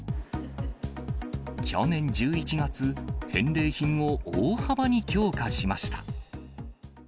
去年１１月、返礼品を大幅に強化しました。